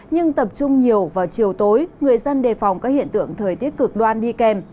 nhưng tập trung nhiều vào chiều tối người dân đề phòng các hiện tượng thời tiết cực đoan đi kèm